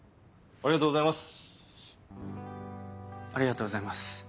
ありがとうございます。